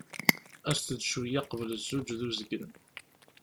As-t-d cwiya uqbel zzuǧ d uzgen.